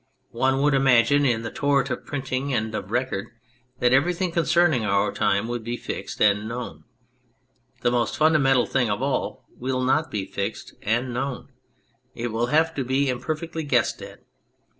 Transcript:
One would imagine in the torrent of printing and of record that everything concerning our time would be fixed and known. The most fundamental thing of all will not be fixed and known : it will have to be imperfectly guessed at.